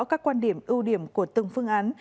các quan điểm ưu điểm của từng phương án